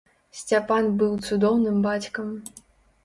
Сцяпан быў цудоўным бацькам.